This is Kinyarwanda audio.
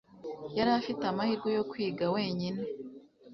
Yari afite amahirwe yo kwiga wenyine.